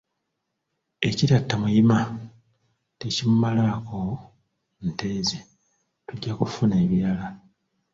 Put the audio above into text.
ekitatta muyima, tekimumalaako nte ze, tujja kufuna ebirala